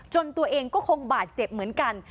ตัวเองก็คงบาดเจ็บเหมือนกัน